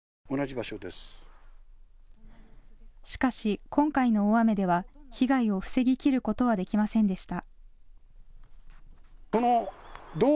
しかし、今回の大雨では被害を防ぎきることはできませんでした。